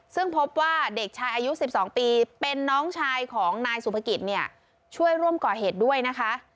ซึ่งพบว่าเด็กชายอายุ๑๒ปีเป็นน้องชายของนายสุภกิจเนี่ยช่วยร่วมก่อเหตุด้วยนะคะ